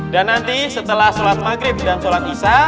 dan nanti setelah sholat maghrib dan sholat isya